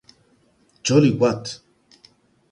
Jolly What!